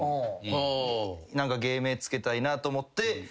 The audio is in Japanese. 何か芸名つけたいなと思って。